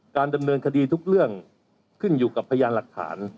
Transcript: การดำเนินคดีทุกเรื่องขึ้นอยู่กับพยานหลักฐาน